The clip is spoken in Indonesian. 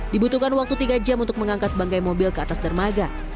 dibutuhkan waktu tiga jam untuk mengangkat bangkai mobil ke atas dermaga